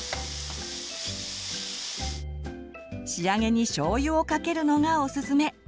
仕上げにしょうゆをかけるのがおすすめ。